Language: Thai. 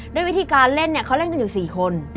ด้วยวิธีการเล่นเนี่ยเขาเล่นกันอยู่๔คน